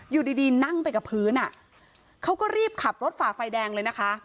อยู่ดีนั่งไปกับพื้นอ่ะเขาก็รีบขับรถฝ่าไฟแดงเลยนะคะ